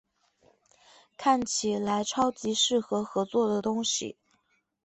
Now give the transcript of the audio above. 看起来是超级适合合作的东西